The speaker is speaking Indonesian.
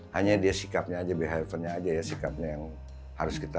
hanya dia sikapnya aja behavennya aja ya sikapnya yang harus kita